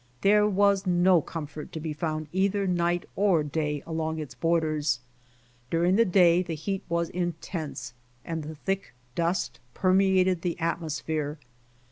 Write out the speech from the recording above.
There was no comfort to be found either night or day along its borders. During the day the heat w^as intense, and the thick dust permeated the atmosphere.